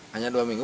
hanya dua minggu